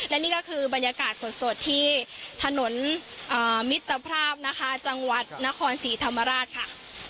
และนี่ก็คือบรรยากาศสดที่ถนนมิตรภาพนะคะจังหวัดนครศรีธรรมราชค่ะ